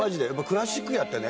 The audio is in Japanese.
クラシックやってね